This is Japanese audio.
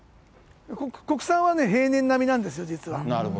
国産はね、平年並みなんですよ、実は。